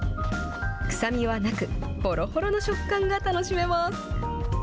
臭みはなく、ほろほろの食感が楽しめます。